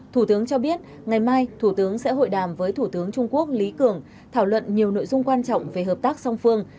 thủ tướng cho biết ngày mai thủ tướng sẽ hội đàm với thủ tướng trung quốc lý cường thảo luận nhiều nội dung quan trọng về hợp tác song phương